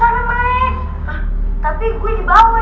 ih udah ke kaga kagak ada